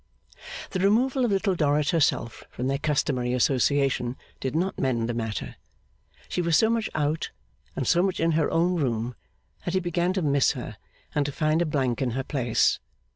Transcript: The removal of Little Dorrit herself from their customary association, did not mend the matter. She was so much out, and so much in her own room, that he began to miss her and to find a blank in her place.